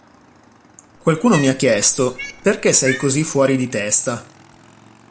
Qualcuno mi ha chiesto 'Perché sei così fuori di testa?